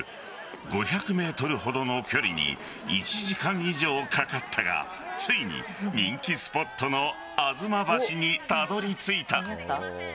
５００ｍほどの距離に１時間以上かかったがついに人気スポットの吾妻橋にたどり着いた。